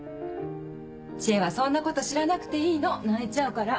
知恵はそんなこと知らなくていいの泣いちゃうから。